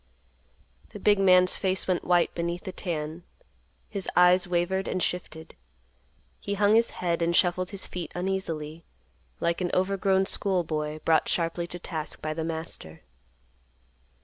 The big man's face went white beneath the tan, his eyes wavered and shifted, he hung his head and shuffled his feet uneasily, like an overgrown school boy brought sharply to task by the master.